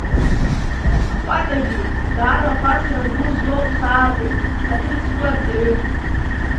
Акәатагьы даара хәарҭара ду злоу ԥсаатәуп, ҳаҭыр зқәу арҵаҩы…